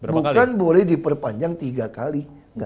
bukan boleh diperpanjang tiga kali